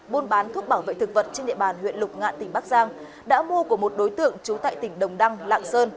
buôn bán thuốc bảo vệ thực vật trên địa bàn huyện lục ngạn tỉnh bắc giang đã mua của một đối tượng trú tại tỉnh đồng đăng lạng sơn